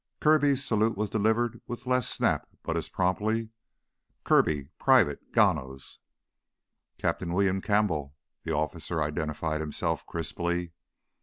Kirby's salute was delivered with less snap but as promptly. "Kirby, Private, Gano's." "Captain William Campbell," the officer identified himself crisply.